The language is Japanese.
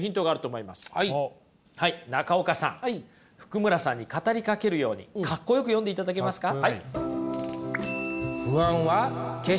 福村さんに語りかけるようにかっこよく読んでいただけますか？